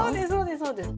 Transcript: そうです